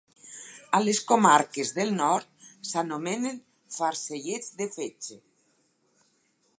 A les comarques del nord s'anomenen farcellets de fetge.